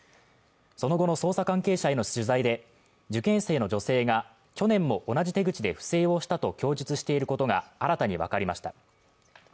その後の捜査関係者への取材で受験生の女性が去年も同じ手口で不正をしたと供述していることが新たに分かりました。